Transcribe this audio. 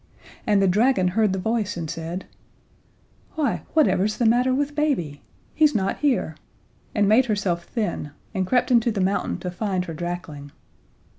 And the dragon heard the voice and said: "Why, whatever's the matter with Baby? He's not here!" and made herself thin, and crept into the mountain to find her drakling.